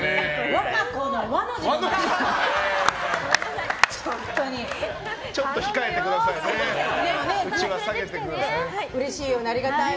和歌子の「和」の字もない。